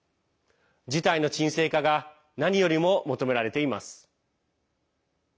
事態の沈静化が何よりも求められます。